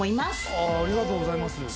ありがとうございます